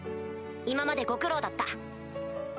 今までご苦労だった。